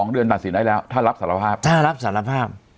๒เดือนตัดสินได้แล้วถ้ารับสารภาพ